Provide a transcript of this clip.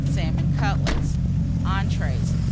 Salmon Cutlets. ENTREES.